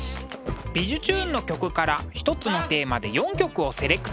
「びじゅチューン！」の曲から１つのテーマで４曲をセレクト。